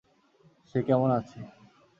সে কেমন আছে?